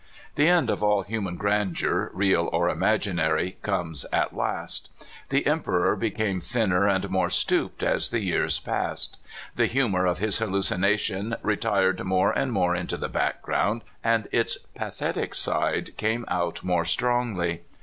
The end of all human grandeur, real or imagi nary, comes at last. The Emperor became thin ner and more stooped as the years passed. The humor of his hallucination retired more and more into the background, and its pathetic side came out more strongly.